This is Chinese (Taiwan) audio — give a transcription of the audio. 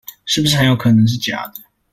是不是很有可能是假的